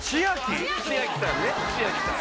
千秋さんね千秋さん